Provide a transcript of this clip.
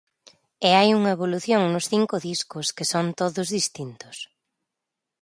E hai unha evolución nos cinco discos, que son todos distintos.